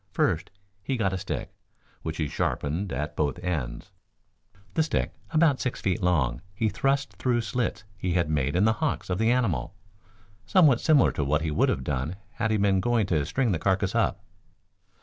First he got a stick, which he sharpened at both ends. The stick, about six feet long, he thrust through slits he had made in the hocks of the animal, somewhat similar to what he would have done had he been going to string the carcass up.